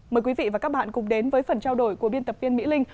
mời quý vị và các bạn cùng đến với phần trao đổi của biên tập viên mỹ linh